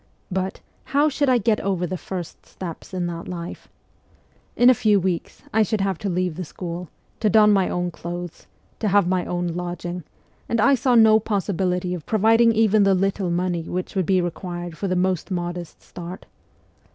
But how should I get over the first steps in that life ? In a few weeks I should have to leave the school, to don my own clothes, to have my own lodging, and I saw no possibility of providing even the little money which would be required for the most modest start.